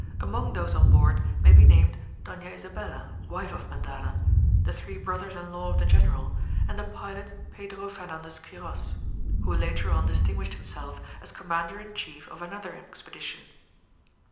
Amongst those on board may be named Doña Isabella, wife of Mendana, the three brothers in law of the general, and the pilot Pedro Fernandez Quiros, who later on distinguished himself as commander in chief of another expedition.